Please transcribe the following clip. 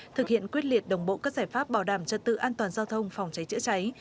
thực hiện quyết liệt đồng bộ các giải pháp bảo đảm trật tự an toàn giao thông phòng cháy chữa cháy